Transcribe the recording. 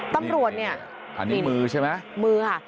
ตำรวจเนี่ยอันนี้มือใช่ไหมมือค่ะ